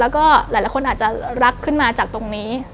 แล้วก็หลายคนอาจจะรักขึ้นมาจากตรงนี้